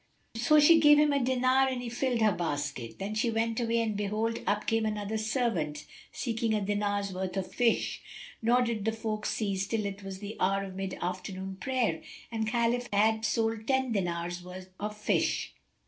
So she gave him a dinar and he filled her basket. Then she went away and behold, up came another servant, seeking a dinar's worth of fish; nor did the folk cease till it was the hour of mid afternoon prayer and Khalif had sold ten golden dinars' worth of fish.